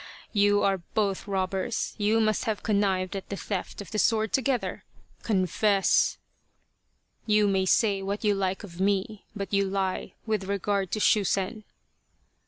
You are both robbers, you must have connived at the theft of the sword together confess !"" You may say what you like of me, but you lie with regard to Shusen."